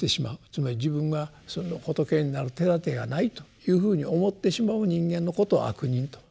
つまり自分が仏になる手だてがないというふうに思ってしまう人間のことを「悪人」と。